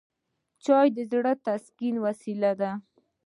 چای د زړه د تسکین وسیله ده